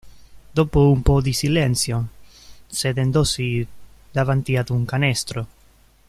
Dopo un po' di silenzio, sedendosi davanti ad un canestro.